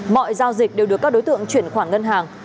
mọi giao dịch đều được các đối tượng chuyển khoản ngân hàng